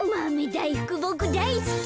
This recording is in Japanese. だいふくボクだいすき。